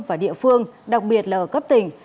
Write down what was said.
và địa phương đặc biệt là ở cấp tỉnh